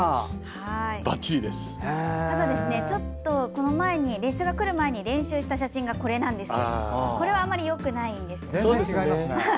ただ、ちょっと列車が来る前に練習した写真がこれなんですがこれはあまりよくないんですよね。